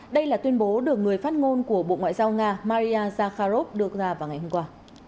đây là tuyên bố được người phát ngôn của bộ ngoại giao nga maria zakharov đưa ra vào ngày hôm qua